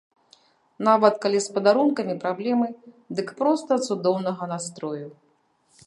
Нават калі з падарункамі праблемы, дык проста цудоўнага настрою.